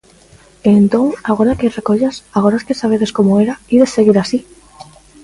E, entón, agora que hai recollas, agora que sabedes como era, ides seguir así?